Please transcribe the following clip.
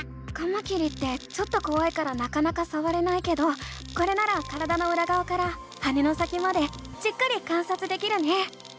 カマキリってちょっとこわいからなかなかさわれないけどこれなら体のうらがわから羽の先までじっくり観察できるね！